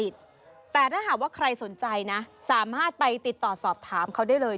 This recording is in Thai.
แต่ถ้าหากว่าใครสนใจนะสามารถไปติดต่อสอบถามเขาได้เลย